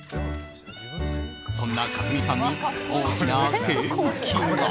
そんな克実さんに大きな転機が。